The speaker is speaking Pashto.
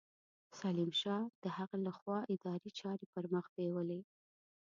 سلیم شاه د هغه له خوا اداري چارې پرمخ بېولې.